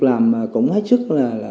làm cũng hết sức